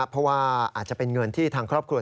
เพราะว่าอาจจะเป็นเงินที่ทางครอบครัว